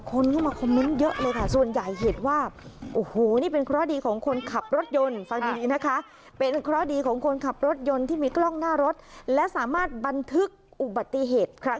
คนมีคอมเม้นเยอะเลยค่ะ